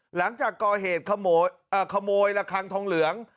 หลังจากก่อเหตุขโมยระคังทองเหลือง